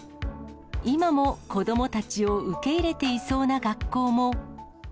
今も子どもたちを受け入れていそうな学校も。